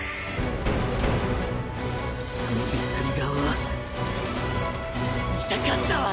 そのビックリ顔を見たかったわ。